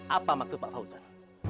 apa maksud pak fauzan